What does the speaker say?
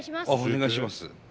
お願いします。